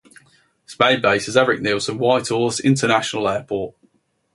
Its main base is Erik Nielsen Whitehorse International Airport.